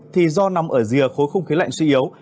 thì do nằm ở rìa khối không khí lạnh suy yếu